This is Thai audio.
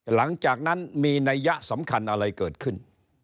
หลังจากนั้นมีนัยยะสำคัญอะไรเกิดขึ้น